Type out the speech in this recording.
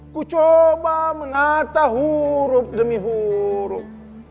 ku coba menata huruf demi huruf